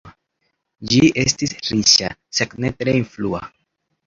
Ĝi estis riĉa, sed ne tre influa.